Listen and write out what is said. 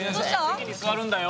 席に座るんだよ。